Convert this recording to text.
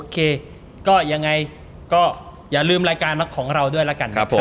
ก็อย่างไรก็อย่าลืมรายการของเราด้วยละกันครับ